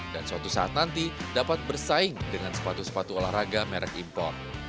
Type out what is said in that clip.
dan suatu saat nanti dapat bersaing dengan sepatu sepatu olahraga merek impor